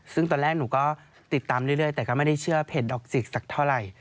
ซึ่งตอนแรกหนูก็ติดตามเรื่อยแต่ก็ไม่ได้เชื่อเพจดอกจิกสักเท่าไหร่